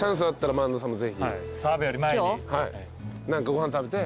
はい。